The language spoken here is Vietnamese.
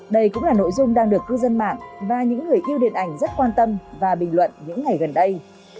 đây cũng là nội dung đang được cư dân mạng và những người yêu điện ảnh rất quan tâm và bình luận những ngày gần đây